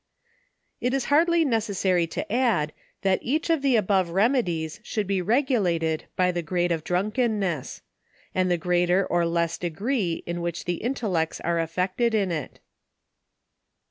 It is hardly necessary to add, that each of the above remedies should be regulated by the grade of drunken ness, and the greater or less degree, in which the intel lects are affected in it.